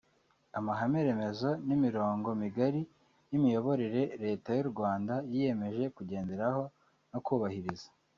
Amahame remezo ni imirongo migari y’imiyoborere Leta y’u Rwanda yiyemeje kugenderaho no kubahiriza